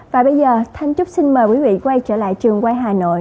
và bây giờ thanh trúc xin mời quý vị quay trở lại trường quay hà nội